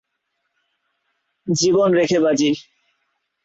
জীবন রেখে বাজী।